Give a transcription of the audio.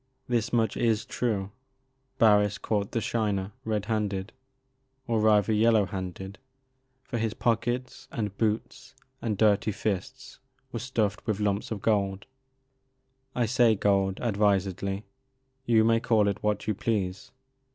This much is true : Barris caught the Shiner, red handed, or rather yellow handed, for his pockets and boots and dirty fists were stuffed with lumps of gold. I say gold, advisedly. You may call it what you please.